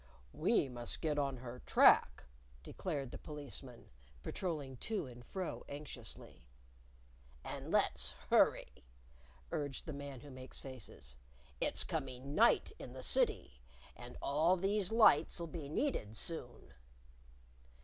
"We must get on her track!" declared the Policeman, patroling to and fro anxiously. "And let's hurry," urged the Man Who Makes Faces. "It's coming night in the City. And all these lights'll be needed soon."